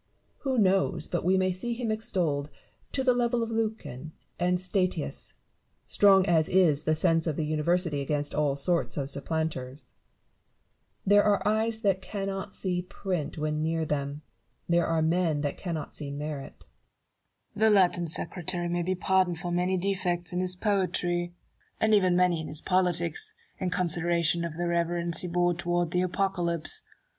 Who knows but wo may see him extolled to the level of Lucan and Statius, strong as is the sense of the University against all sorts of supplanters ! There are eyes that cannot see print when near them ; there are men that cannot see merit. Newton. The Latin secretary may be pardoned for many defects in his poetry, and even for many in his BARROW AND NEWTON. 191 politics, in consideration of the reverence he bore toward the Aj^ocalypse.